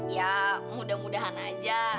ya mudah mudahan aja